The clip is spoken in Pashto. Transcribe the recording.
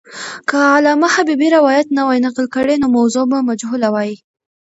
که علامه حبیبي روایت نه وای نقل کړی، نو موضوع به مجهوله وای.